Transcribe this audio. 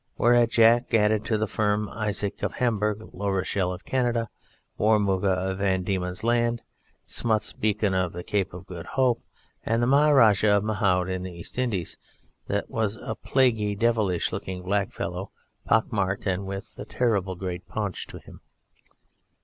Whereat Jack added to the firm, Isaacs of Hamburg, Larochelle of Canada, Warramugga of Van Dieman's Land, Smuts Bieken of the Cape of Good Hope, and the Maharajah of Mahound of the East Indies that was a plaguey devilish looking black fellow, pock marked, and with a terrible great paunch to him.